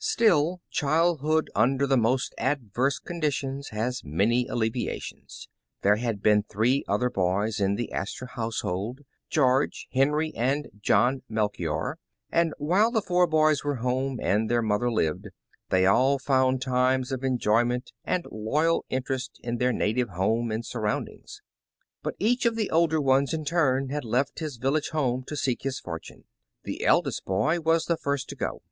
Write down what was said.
Still, childhood under the most adverse conditions has manv alleviations. There had been three other boys in the Astor household, George, Henry, and John Melehior, and while the four boys were home, and their mother lived, they all found times of enjoyment, and loyal interest in their native home and surroundings. But each of the older ones, in turn, had left his vil lage home to seek his fortune. The eldest boy was the first to go.